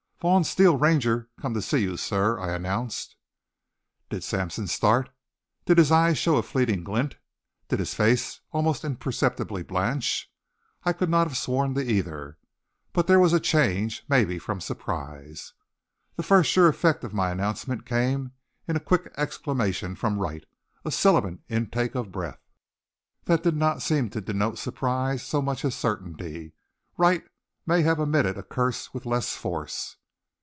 "Vaughn Steele, Ranger come to see you, sir." I announced. Did Sampson start did his eyes show a fleeting glint did his face almost imperceptibly blanch? I could not have sworn to either. But there was a change, maybe from surprise. The first sure effect of my announcement came in a quick exclamation from Wright, a sibilant intake of breath, that did not seem to denote surprise so much as certainty. Wright might have emitted a curse with less force.